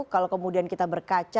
kalau kemudian kita berkaca